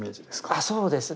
あそうですね。